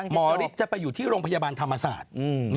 ฤทธิ์จะไปอยู่ที่โรงพยาบาลธรรมศาสตร์